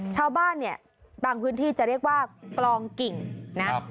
ชาวบ้านเนี่ยบางพื้นที่จะเรียกว่ากลองกิ่งนะ